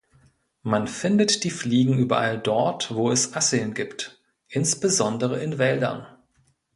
Man findet die Fliegen überall dort, wo es Asseln gibt, insbesondere in Wäldern.